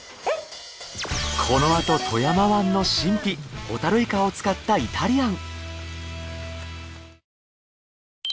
このあと富山湾の神秘ホタルイカを使ったイタリアン。